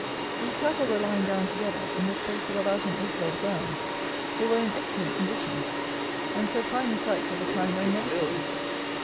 These cattle were lying down together in the space of about an acre of ground: they were in excellent condition, and so fine a sight of the kind I never saw.